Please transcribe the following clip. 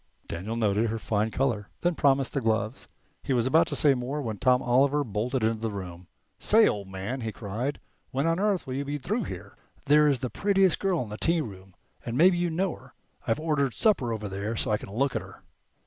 Daniel noted her fine color, then promised the gloves. He was about to say more when Tom Oliver bolted into the room. "Say, old man," he cried, "when on earth will you be through here? There's the prettiest girl in the tearoom, and maybe you know her. I've ordered supper over there, so I can look at her."